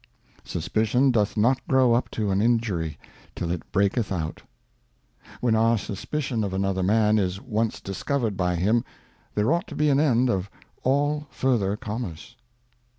Suspicion doth not grow up to an Injury till it break eth out. When our Suspicion of another Man is once discovered by him, there ought to be an end of all further Commerce.